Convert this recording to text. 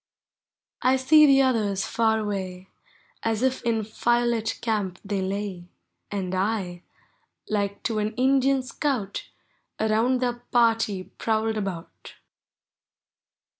I see the others far away As if in tirelit camp they lay. And I, like to an Indian scout. Around their party prowled about.